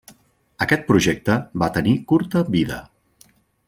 Aquest projecte va tenir curta vida.